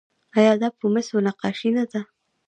آیا دا په مسو نقاشي نه ده؟